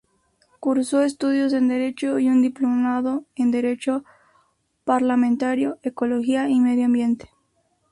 Cursó Estudios en derecho y un diplomado en Derecho Parlamentario, Ecología y Medio Ambiente.